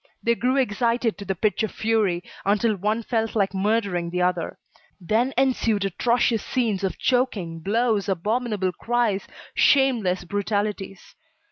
They grew excited to the pitch of fury, until one felt like murdering the other. Then ensued atrocious scenes of choking, blows, abominable cries, shameless brutalities.